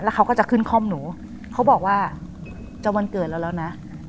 เขาก็จะขึ้นคล่อมหนูเขาบอกว่าจะวันเกิดเราแล้วนะ